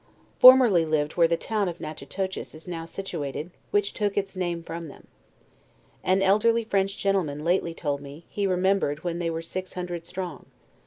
Formerly lived where the town of Nat chitoches is now situated which took its name from them. An elderly French gentleman lately told ;ne, he remembered when they were six hundred strong.